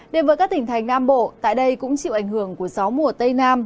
đề vợ các tỉnh thành nam bộ tại đây cũng chịu ảnh hưởng của gió mùa tây nam